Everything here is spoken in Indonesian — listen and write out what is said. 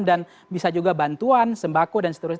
dan bisa juga bantuan sembako dan seterusnya